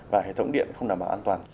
và hệ thống điện không đảm bảo an toàn